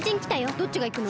どっちがいくの？